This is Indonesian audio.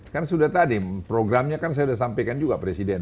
kan sudah tadi programnya kan saya sudah sampaikan juga presiden